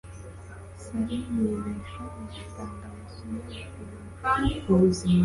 Sally yibeshaho atanga amasomo ya piyano.